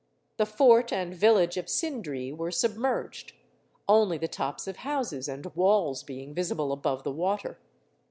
The fort and village of Sindree were submerged, only the tops of houses and walls being visible above the water.